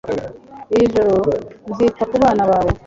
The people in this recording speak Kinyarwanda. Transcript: iri joro nzita ku bana bawe